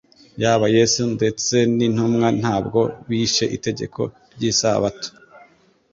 Yaba Yesu ndetse n'intumwa ntabwo bishe itegeko ry'isabato.